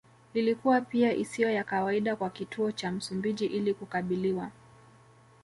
Ilikuwa pia isiyo ya kawaida kwa Kituo cha Msumbiji ili kukabiliwa